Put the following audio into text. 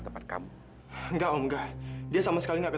sampai jumpa di video selanjutnya